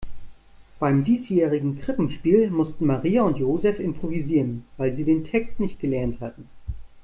Beim diesjährigen Krippenspiel mussten Maria und Joseph improvisieren, weil sie den Text nicht gelernt hatten.